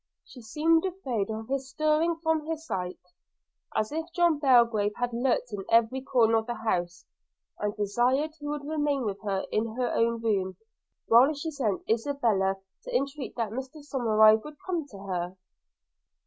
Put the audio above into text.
She seemed afraid of his stirring from her sight, as if Sir John Belgrave had lurked in every corner of the house; and desired he would remain with her in her own room, while she sent Isabella to entreat that Mr Somerive would come to her.